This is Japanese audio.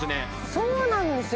そうなんですよ。